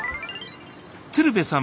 鶴瓶さん